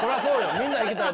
みんな行きたい。